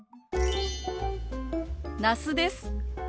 那須です。